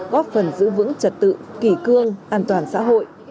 góp phần giữ vững trật tự kỷ cương an toàn xã hội